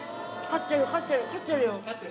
勝ってる勝ってる！